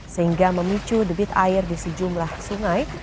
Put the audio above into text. sehingga memicu debit air di sejumlah sungai